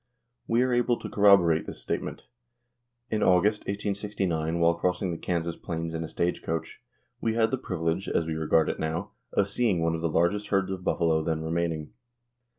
We are able to corroborate this statement. In August, 1869, while crossing the Kansas plains in a stagecoach we had the privilege, as we regard it now, of seeing one of the largest herds of buffalo then remaining.